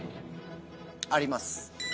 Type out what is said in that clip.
あります。